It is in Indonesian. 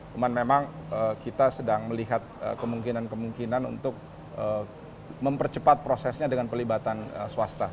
cuman memang kita sedang melihat kemungkinan kemungkinan untuk mempercepat prosesnya dengan pelibatan swasta